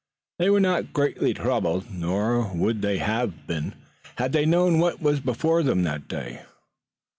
They were not greatly troubled, nor would they have been had they known what was before them that day.